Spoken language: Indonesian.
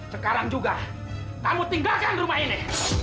sekarang juga kamu tinggalkan rumah ini